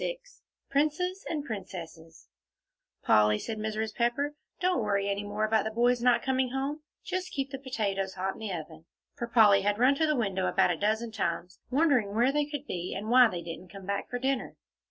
XXVII PRINCES AND PRINCESSES "Polly," said Mrs. Pepper, "don't worry any more about the boys not coming home; just keep the potatoes hot in the oven." For Polly had run to the window about a dozen times, wondering where they could be, and why they didn't come back for dinner.